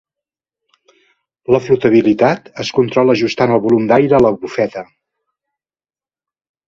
La flotabilitat es controla ajustant el volum d"aire a la bufeta.